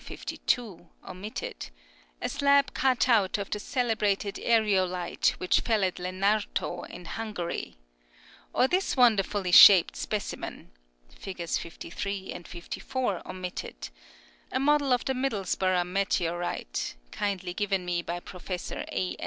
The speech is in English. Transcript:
52 omitted), a slab cut out of the celebrated aerolite which fell at Lenarto, in Hungary; or this wonderfully shaped specimen (Figs. 53 and 54 omitted), a model of the Middlesburgh meteorite (kindly given me by Pro fessor A.